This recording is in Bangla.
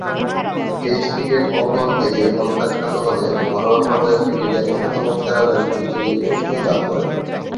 টেস্ট ক্রিকেট অঙ্গন থেকে প্রত্যাখ্যাত হলে ঘরোয়া পর্যায়ের ক্রিকেটে অন্যতম সেরা ব্যাটসম্যান হিসেবে পরিচিতি লাভ করেন।